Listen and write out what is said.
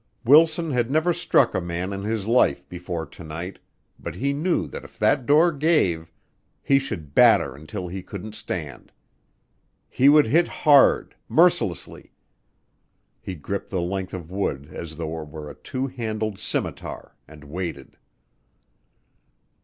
Wilson had never struck a man in his life before to night, but he knew that if that door gave he should batter until he couldn't stand. He would hit hard mercilessly. He gripped the length of wood as though it were a two handled scimitar, and waited.